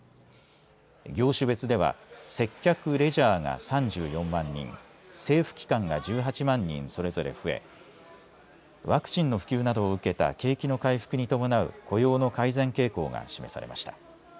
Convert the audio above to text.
業種別では接客・レジャーが３４万人政府機関が１８万人それぞれ増えワクチンの普及などを受けた景気の回復に伴う雇用の改善傾向が示されました。